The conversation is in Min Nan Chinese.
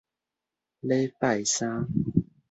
禮拜三